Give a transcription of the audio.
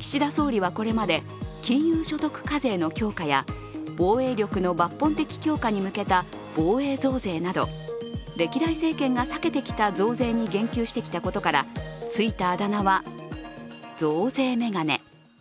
岸田総理はこれまで金融所得課税の強化や防衛力の抜本的強化に向けた防衛増税など歴代政権が避けてきた増税に言及してきたことからついたあだ名は、増税メガネ。